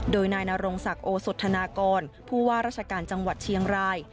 โดยนายนรงศักดิ์โอสธนากรผู้ว่าราชการจังหวัดเชียงราย